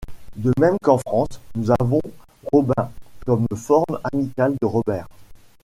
De même qu'en France, nous avons Robin comme forme amicale de Robert.